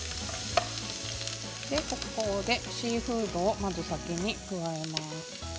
ここで、シーフードをまず先に加えます。